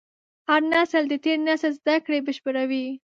هر نسل د تېر نسل زدهکړې بشپړوي.